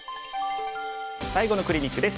最後のクリニックです。